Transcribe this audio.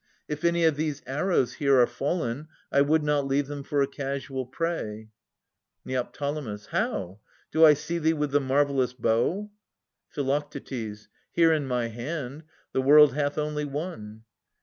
If any of these arrows here are fallen, I would not leave them for a casual prey. Neo. How? Do I see thee with the marvellous bow? Phi. Here in my hand. The world hath only one.